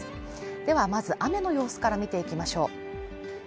ではまず雨の様子から見ていきましょう。